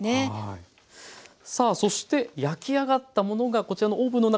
さあそして焼き上がったものがこちらのオーブンの中に入ってます。